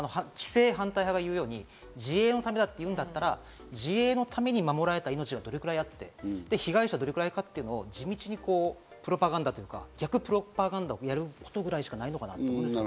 必ず規制反対派が言うように自衛のためだというなら自衛のために守られた命がどれぐらいあって、被害者がどれくらいかというの地道に、プロパガンダというか、逆プロパガンダをやるしかないのかなと思います。